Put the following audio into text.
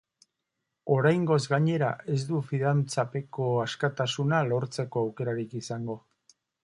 Oraingoz, gainera, ez du fidantzapeko askatasuna lortzeko aukerarik izango.